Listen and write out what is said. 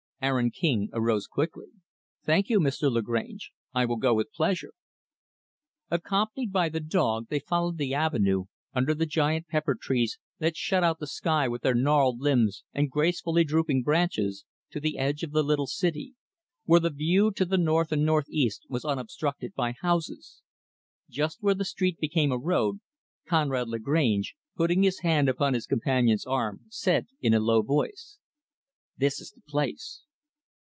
Aaron King arose quickly. "Thank you, Mr, Lagrange; I will go with pleasure." Accompanied by the dog, they followed the avenue, under the giant pepper trees that shut out the sky with their gnarled limbs and gracefully drooping branches, to the edge of the little city; where the view to the north and northeast was unobstructed by houses. Just where the street became a road, Conrad Lagrange putting his hand upon his companion's arm said in a low voice, "This is the place."